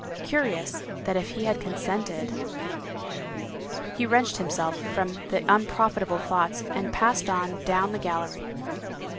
Curious, that if he had consented — He wrenched himself from the unprofitable thoughts and passed on down the gallery.